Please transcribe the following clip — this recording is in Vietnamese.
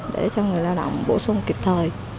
để cho người lao động bổ sung kịp thời